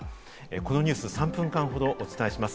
このニュース、３分間ほどお伝えします。